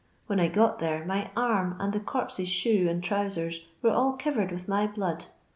When I got there, my arm, and the corpse's shoe and trowsera, was all kivered with my blood.